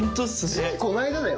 ついこの間だよ。